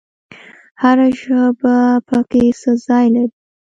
هر ژبه پکې څه ځای لري؟